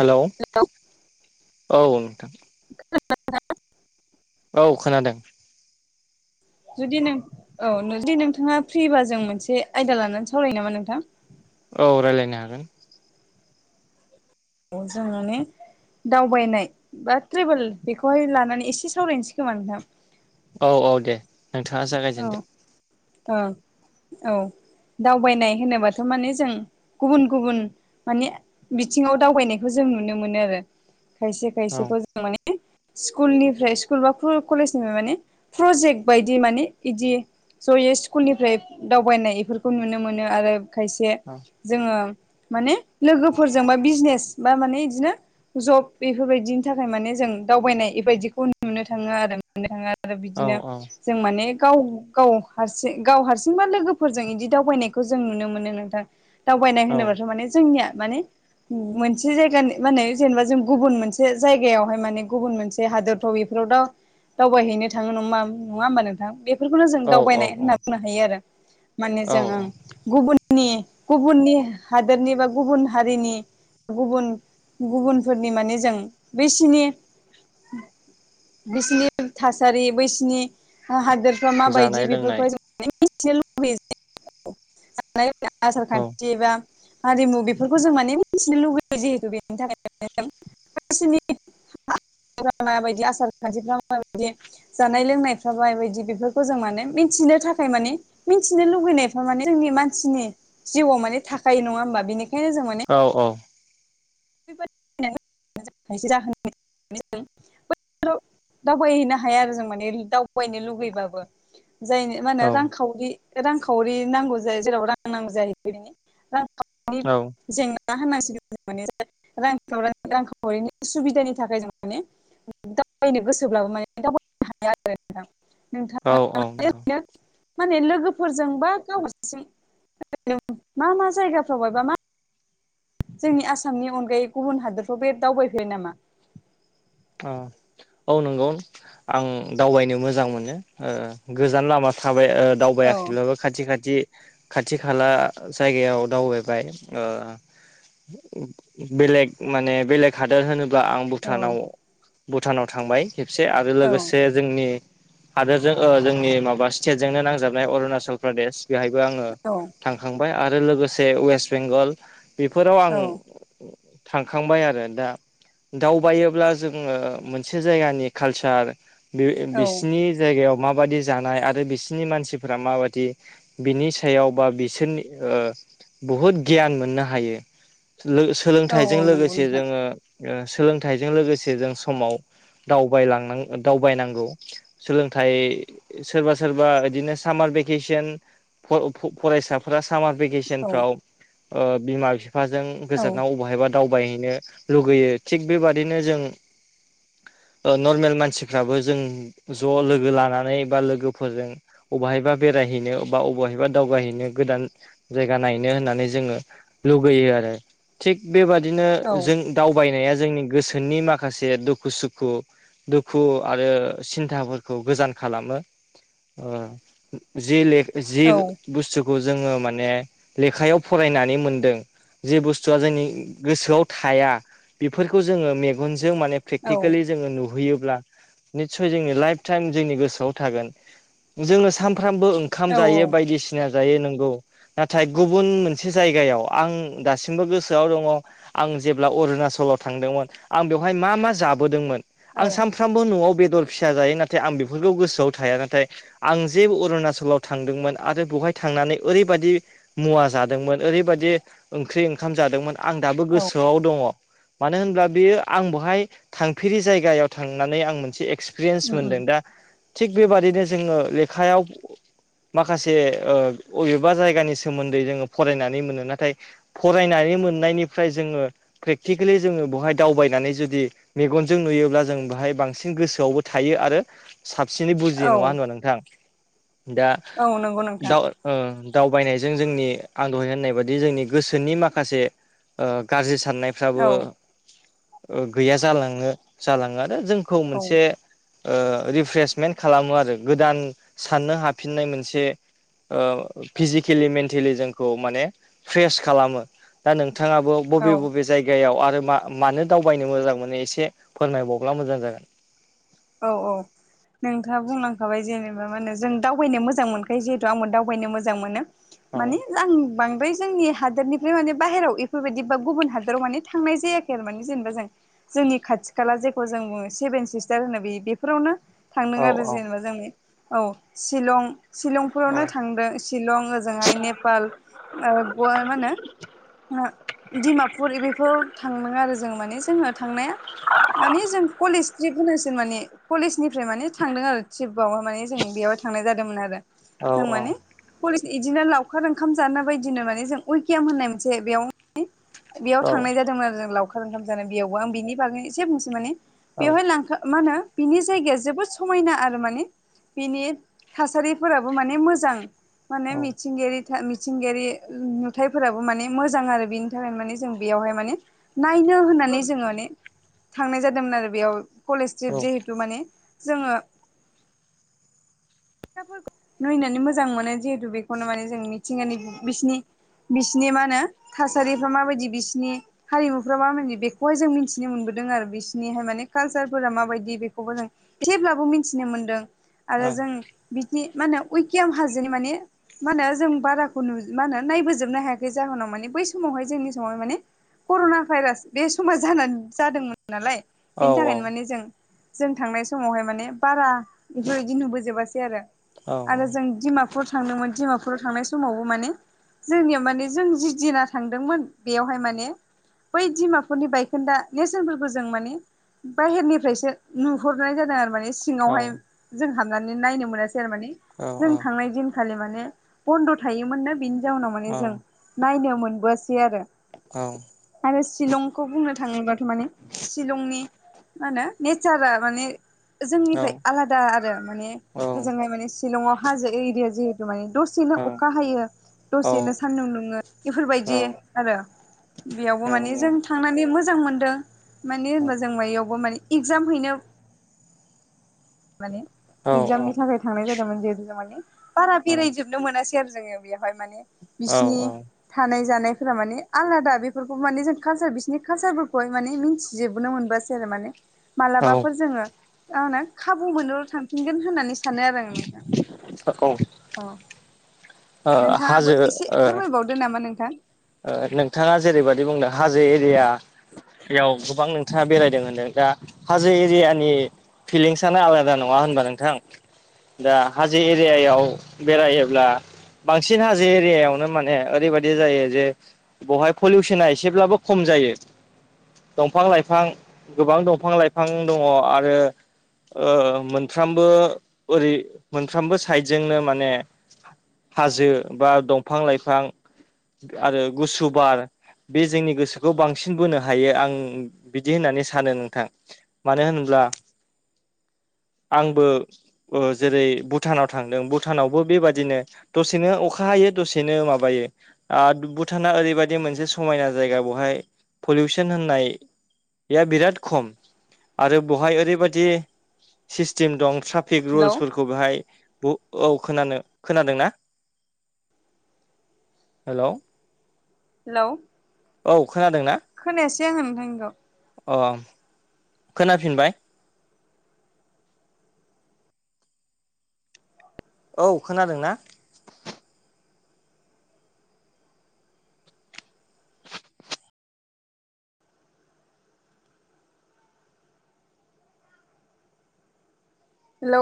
Hello औ नोंथां औ खोनादों जुदि नों औ जुदि नोंथाङा फ्रिबा जों मोनसे आयदा लानानै सावरायनो नामा नोंथां औ रायलायनो हागोन औ जों माने दावबायनाय बा ट्रेभोल बेखौहाय लानानै एसे सावरायनोसै खोमा नोंथां औ औ दे नोंथाङा औ जागायजेनदो औ दावबायनाय होनोबाथ' माने जों गुबुन गुबुन माने बिथिङाव दावबायनायखौ जों नुनो मोनो आरो खायसे औ खायसेखौ जों माने स्कुलनिफ्राय स्कुल बा कलेजनिफ्राय माने प्रजेक्ट बायदि माने इदि जयै स्कुलनिफ्राय दावबायनाय एफोरखौ नुनो मोनो आरो खायसे औ जोङो माने लोगोफोरजों बा बिजनेस बा माने इदिनो जब बेफोरबायदिनि थाखाय माने जों दावबायनाय एफोरबायदिखौ नुनो थाङो आरो मोननो थाङा आरो औ बिदिनो औ जों माने गाव गाव हारसिं गाव हारसिंबा लोगोफोरजों इदि दावबायनायखौ जों नुनो मोनो नोंथां दावबायनाय औ होनोबाथ' माने जोंनिया माने मोनसे जायगानि मा होनो जेनेबा जों गुबुन मोनसे जायगायावहाय माने गुबुन मोनसे हादोरफ्राव फ्राव दाव दावबायहैनो थाङो नङा नङा होमबा नोंथां बेफोरखौनो जों औ औ दावबायनाय होनना बुंनो हायो आरो माने औ जों ओं गुबुननि गुबुननि हादोरनि बा गुबुन हारिनि गुबुन गुबुनफोरनि माने जों बैसिनि बिसिनि थासारि बैसिनि हा हादोरफ्रा माबायदि जानाय लोंनाय बेफोरखौहाय जों माने मिथिनो लुबैयो जे जानाय लोंनाय आसार औ खान्थि बा हारिमु बेफोरखौ जों माने मिथिनो लुबैयो जिहेथु बेनि थाखाय जों मानसिनि [unintelligible] मा बायदि आसार खान्थि फ्रा मा बायदि जानाय लोंनायफ्राबा मा बायदि बेफोरखौ जों माने मिथिनो थाखाय मानि मिथिनो लुुबैनायफ्रा माने जोंनि मानसिनि जिउआव माने थाखायो नङा होमबा बेनिखायनो जों माने औ-औ [unintelligible] बो दावबायहैनो हाया आरो जों माने दावबायनो लुगैबाबो जायनि मा होनो औ रांखावरि रांखावरि नांगौ जायो जेराव रां नांगौ जायो रां खावरि जेंना मा होननांसिगोन जों माने रांख रांखावरिनि सुबिदानि थाखाय जों माने दावबायनो गोसोब्लाबो माने दावबायनो हाया आरो औ नोंथांङा नंगौ ओरैनो माने लोगोफोरजों बा गावसि ओरैनो मा मा जायगाफ्राव एबा मा जोंनि आसामनि अनगायै गुबुन हादोरफ्राव बे दावबायफेरबाय नामा औ नंगौ आं दावबायनो मोजां मोनो गोजान लामा थाबाय औ दावबायाखैब्लाबो खाथि खाथि खाथि खाला जायगायाव दावबायबाय बेलेग माने बेलेग हादोर होनोब्ला आं औ भुटानाव भुटानाव थांबाय खेबसे आरो औ लोगोसे जोंनि हादोरजों जोंनि माबा स्टेटजोंनो नांजाबनाय अरुणाचल प्रदेश बेहायबो आंङो औ थांखांबाय आरो लोगोसे वेस्ट बेंगल बेफोराव आं औ थांखांबाय आरो दा दावबायोब्ला जो मोनसे जायगानि कालचार औ बिसिनि जायगायाव माबादि जानाय आरो बिसिनि मानसिफोरा माबादि बिनि सायाव बा बिसोरनि बहुद गियान मोननो हायो औ सोलोंथाइजों औ नंगौ लोगोसे नोंथां जोंङो सोलोंथाइजों लोगोसे जों समाव दावबायलां दावबायनांगौ सोलोंथाइ सोरबा सोरबा बिदिनो सामार भेकेसन फ फरायसा सामार भेकेसन औ फाव बिमा बिफाजों औ गोजानाव अबेहायबा दावबायहैनो लुगैयो थिग बेबादिनो जों नर्मेल मानसिफ्राबो जों ज' लोगो लानानै बा लोगोफोरजों बबेहायबा बेरायहैनो बा बबेहायबा दावगहैनो गोदान जायगा नायनो होननानै जोंङो लुुबैयो आरो थिग बेबादिनो औ जों दावबायनाया जोंनि गोसोनि माख माखासे दुखु सुखु दुखु आरो सिन्थाफोरखौ गोजान खालामो ओ [unintelligible] औ [unintelligible] बुस्थुखौ जोंङो माने लेखायाव फरायनानै मोनदों जे बुस्थुआ जोंनि गोसोआव थाया बेफोरखौ जोंङो मेगनजों माने औ प्रेकटिकेलि जोंङो नुहैयोब्ला निसय जोंनि लाइफ टाइम जोंनि गोसोआव थागोन जोंङोनो सामफ्रामबो औ ओंखाम जायो बायदिसिना जायो नोंगौ नाथाय गुबुन मोनसे जायगायाव आं दासिमबो गोसोआव दङ आं जेब्ला अरुणाचलाव थांदोंमोन आं बेवहाय मा मा जाबोदोंमोन आं औ साम फ्रामबो न'आव बेदर फिसा जायो नाथाय आं बेफोरखौ गोसोआव थाया नाथाय आं जे अरुणाचलाव थांदोंमोन आरो बेवहाय थांनानै ओरैबादि मुवा जादोंमोन ओरैबादि ओंख्रि ओंखाम जादोंमोन आं दाबो औ गोसोआव दङ मानो होनब्ला बेयो आं बेवहाय थांफेरि जायगायाव थांनानै आं मोनसे एक्सपिरियेन्स उम उम मोनदों दा थिग बेबादिनो जोंङो लेखायाव माखासे ओ अबेबा जायगानि सोमोन्दै जोंङो फरायनानै मोनो नाथाय फरायनानै मोननायनिफ्राय जोंङो प्रेक्टिकेलि जोंङो बेवहाय दावबाय नानै जुदि मेगनजों नुयोब्ला जों बाहाय बांसिन गोसोआवबो थायो आरो साबसिनै बुजियो औ नंङा होनबा नोंथां दा औ नंगौ नोंथां दाव ओ दावबायनायजों जोंनि आं दहाय होननाय बादि जोंनि गोसोनि माखासे ओ गाज्रि साननायफ्राबो औ गैया जालांङो जालांङो आरो जोंखौ औ मोनसे ओ रिफ्र्रेसमेन्ट खालामो आरो गोदान साननो हाफिननाय मोनसे ओ फिजिकेलि मेन्टेलि जोंखौ माने फ्रेस खालामो। दा नोंथाङाबो औ बबे बबे जायगायाव आरो मा मानो दावबायनो मोजां मोनो एसे फोरमायबावब्ला मोजां जागोन। औ औ नोंथाङा बुंलांखाबाय जेनेबा मा होनो जों दावबायनो मोजां मोनखायो जिहेथु आंबो दावबायनो मोजां मोनो औ माने आं बांद्राय जोंनि हादोरनिफ्राय माने बाहेराव इफोरबायदि बा गुबुन हादोराव माने थांनाय जायाखै जेनेबा जों जोंनि खाथि खाला जेखौ जों बुङो सेबेन सिस स्टार होनो बे बेफोरावनो थांदों औ आरो जेनेबा जोंनि औ शिलं शिलंफोरावनो थांदों शिलं ओजोंहाय नेपाल ओ गवा ओ मा होनो ओ डिमापुर बेफोराव थांनांङा आरो जों माने जोङो थांनाया माने जों कलेज ट्रिप होनांसिगोन माने कलेजनिफ्राय माने थांदों आरो ट्रिपाव माने जों बेयाव थांनाय जादोंमोन आरो जों माने पुलिस इदिनो लावखार ओंखाम जानानाय बायदिनो माने जों अकियाम होननाय मोनसे बेयाव बेयाव औ थांनाय जादोंमोन आरो जों लावखार ओंखाम जानो बेयावबो आं बिनि बागैनो एसे बुंसै माने औ बेवहाय लांखा मा होनो बिनि जायगाया जोबोद समायना आरो माने। बिनि थासारिफोराबो माने मोजां माने मिथिंगायारि मिथिंगायारि नुथायफोराबो माने मोजां आरो बिनि थाखायनो माने जों बेयावहाय माने नायनो होननानै जों माने थांनाय जादोंमोन आरो बेयाव। कलेज ट्रिप जिहेथु माने जोङो नायनानै मोजां मोनो जिहेतु बेखौनो माने जों मिथिंगानि बिसिनि बिसिनि मा होनो थासारिफ्रा माबायदि बिसिनि हारिमुफ्रा माबायदि बेखौहाय जों मिन्थिनो मोनबोदों आरो बिसोरनिहाय माने कालसारफोरा माबायदि बेखौबो जों एसेब्लाबो मिथिनो मोनदों आरो जों बिदि मा होनो उकियाम हाजोनि माने मा होनो जों बाराखौ नु मा होनो नायबोजोबनो हायाखै जाहोनाव माने बै समावहाय जोंनि समावहाय माने करना भाइरास बे समा जानानै जादोंमोन नालाय औ औ बेनि थाखायनो माने जों जों थांनाय समावहाय माने बारा बेफोरबायदि नुबोजोबासै आरो औ आरो जों डिमापुर थांदोंमोन डिमापुराव थांनाय समावबो माने जोंनियाव माने जों जि दिना थांदोंमोन बेयावहाय माने बै बिमाफोरनि बायखोन्दा नेेरसोनफोरखौ जों माने बाहेरनिफ्रायसो नुहरनाय जादों आरो माने। औ सिंयावहाय जों हाबनानै नायनो मोनासैआरो माने जों थांनाय दिन खालि माने बन्द थायोमोननो बिनि जाउनाव माने जों नायनो मोनबोआसै आरो। औ आरो शिलंखौ बुंनो थाङोब्लाथ' माने शिलंनि मा होनो नेचारा माने जोंनिफ्राय आलादा आरो माने ओजोंहाय माने शिलंआव हाजो एरिया जि माने दसेनो अखा हायो दसेनो सान्दुं दुङो औ बेफोरबायदि आरो। बेयावबो औ माने जों थांनानै मोजां मोनदों माने औ होनबा जों बेयावबो माने इगजाम हैनो माने औ इगजामनि थाखाय थांनाय जादोंमोन जिहेतु जों माने बारा बेरायजोबनो मोनासै आरो जोङो। बेवहाय माने बिसिनि औ थानाय जानायफोरा माने आलादा बेफोरखौ माने जों कालसार बिसिनि कालसारफोरखौहाय माने मिथिजोबबोनो मोनबोआसै। औ मालाबाफोर जोङो खाबु मोनोब्ला थांफिनगोन होननानै सानो आरो आं नोंथां ओ औ नोंथाङाबो हाजो एसे ओ फोरमायबावदो नामा नोंथां। ओ नोंथाङा जेरैबायदि बुंदों हाजो एरिया बेयाव गोबां नोंथाङा बेरायदों होनदों दा हाजो एरियानि फिलिंसानो आलादा नङा होनबा नोंथां। दा हाजो एरियायाव बेरायोब्ला बांसिन हाजो एरियायावनो माने ओरैबायदि जायो जे बेवहाय पलिउसना एसेब्लाबो खम जायो दंफां लाइफां गोबां दंफां लाइफां दङ आरो मोनफ्रामबो ओरै मोनफ्रामबो साइडजोंनो माने हाजो बा दंफां लाइफां आरो गुसु बार बे जोंनि गोसोखौ बांसिन बोनो हायो आं बिदि होननानै सानो नोंथां मानो होनोब्ला आंबो जेरै भुटानाव थांदों भुटानावबो बेबादिनो दसेनो अखा हायो दसेनो माबायो भुटाना ओरैबायदि मोनसे समायना जायगा बेहाय पलिउसन होननाय बे बिराद खम आरो बेहाय ओरैबायदि सिस्टेम दं साफ्रोमबो ट्राफिक हेलौ रुल्सफोरखौ बेहाय ब औ खोनानो खोनादोंना हेलौ हेलौ औ खोनादोंना खोनायासै आङो नोंथांनिखौ अ खोनाफिनबाय औ खोनादों ना हेलौ